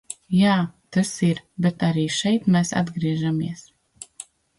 Jā, tas ir, bet arī šeit mēs atgriežamies.